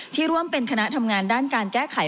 ร่วมเป็นคณะทำงานด้านการแก้ไข